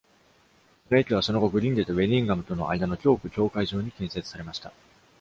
その駅は、その後グリンデとベディンガムとの間の教区境界上に建設されました。